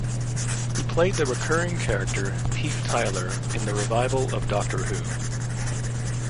He played the recurring character Pete Tyler in the revival of "Doctor Who".